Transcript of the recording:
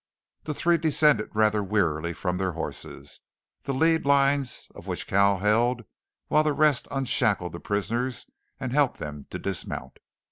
The three descended rather wearily from their horses, the lead lines of which Cal held while the rest unshackled the prisoners and helped them to dismount.